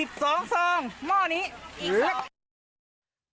อีก๒หม้อนี้อีก๒